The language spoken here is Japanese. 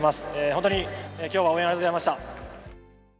本当に今日は応援ありがとうございました。